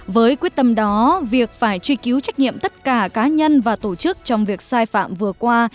với quyết tâm đó việc phải truy cứu trách nhiệm tất cả cá nhân và tổ chức trong việc sai phạm vừa qua